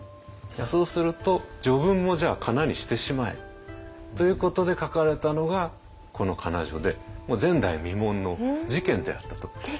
そうすると序文もじゃあかなにしてしまえ。ということで書かれたのがこの仮名序でもう前代未聞の事件であったといえると思います。